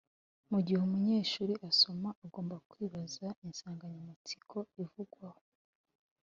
Mu gihe umunyeshuri asoma agomba kwibaza insanganyamatsiko ivugwaho